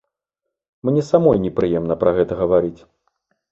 Мне самой непрыемна пра гэта гаварыць.